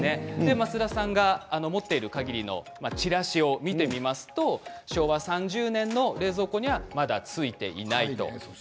増田さんが持っているかぎりのチラシを見てみますと昭和３０年の冷蔵庫にはまだ付いていないと。